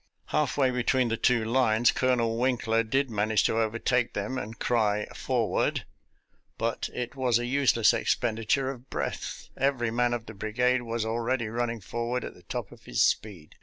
Halfway between the two lines Colonel Winkler did man age to overtake them and cry " Forward !" but it was a useless expenditure of breath; every man of the brigade was already running forward at the top of his speed.